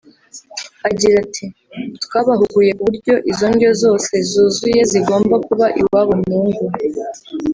Agira ati “Twabahuguye ku buryo izo ndyo zose (zuzuye) zigomba kuba iwabo mu ngo